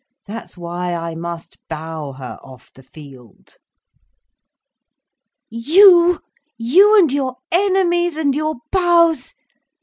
That's why I must bow her off the field." "You! You and your enemies and your bows!